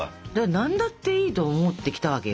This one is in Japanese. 何だっていいと思ってきたわけよ。